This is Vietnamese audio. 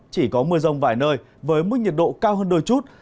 chỉ có mưa rông vài nơi với mức nhiệt độ cao hơn đôi chút